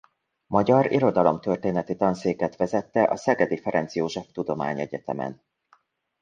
Magyar Irodalomtörténeti Tanszéket vezette a szegedi Ferenc József Tudományegyetemen.